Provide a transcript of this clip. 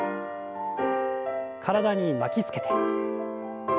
体に巻きつけて。